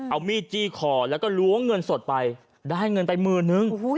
เอามีดจี้คอแล้วก็ล้วงเงินสดไปได้เงินไปหมื่นนึง